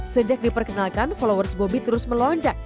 sejak diperkenalkan followers bobby terus melonjak